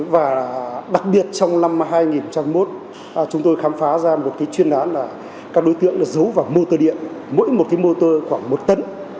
và đặc biệt trong năm hai nghìn hai mươi một chúng tôi khám phá ra một cái chuyên án là các đối tượng giấu vào motor điện mỗi một cái motor khoảng một tấn